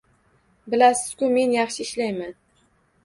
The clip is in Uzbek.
Bilasiz-ku meni, yaxshi ishlayman